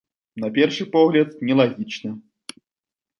На першы погляд, нелагічна.